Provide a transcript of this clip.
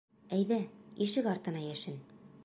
Әйҙә, ишек артына йәшен.